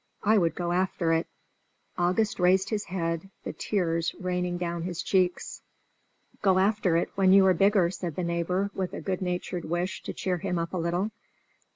I would go after it." August raised his head, the tears raining down his cheeks. "Go after it when you are bigger," said the neighbour, with a good natured wish to cheer him up a little.